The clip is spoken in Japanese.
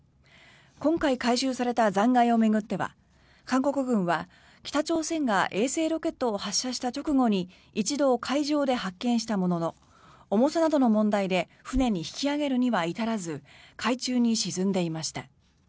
今回、回収された残骸を巡っては韓国軍は北朝鮮が衛星ロケットを発射した直後に一度、海上で発見したものの重さなどの問題で船に引き揚げるには至らず海中に沈んでいました。